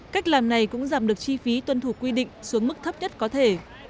cách làm này cũng giảm được chi phí tuân thủ quy định xuống mức thấp nhất có thể